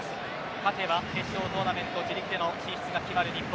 勝てば決勝トーナメント自力での進出が決まる日本。